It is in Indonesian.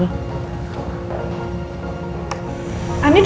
ini udah dapet kerja